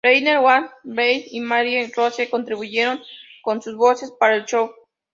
Reiner, Van Dyke, y Marie Rose contribuyeron con sus voces para el show.